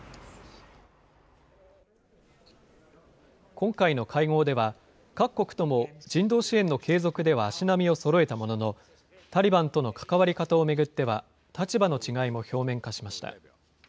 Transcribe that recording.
今回の会合では、各国とも人道支援の継続では足並みをそろえたものの、タリバンとの関わり方を巡っては、立場の違いも表面化しました。